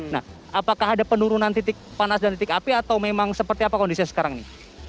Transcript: nah apakah ada penurunan titik panas dan titik api atau memang seperti apa kondisinya sekarang ini